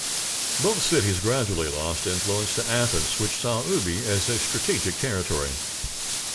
Both cities gradually lost influence to Athens, which saw Euboea as a strategic territory.